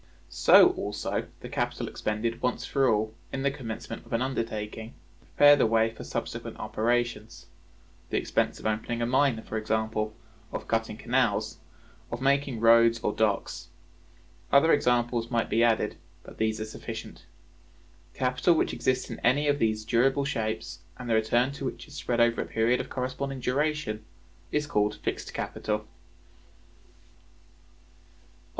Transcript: So also the capital expended once for all, in the commencement of an undertaking, to prepare the way for subsequent operations: the expense of opening a mine, for example; of cutting canals, of making roads or docks. Other examples might be added, but these are sufficient. Capital which exists in any of these durable shapes, and the return to which is spread over a period of corresponding duration, is called Fixed Capital.